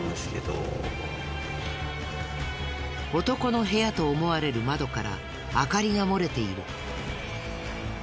男の部屋と思われる窓から明かりが漏れている。